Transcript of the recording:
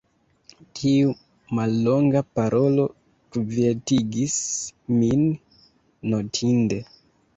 Tiu mallonga parolo kvietigis min notinde.